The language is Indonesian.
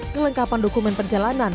kelengkapan dokumen perjalanan